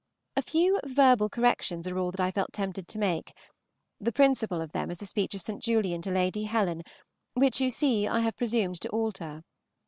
A few verbal corrections are all that I felt tempted to make; the principal of them is a speech of St. Julian to Lady Helen, which you see I have presumed to alter.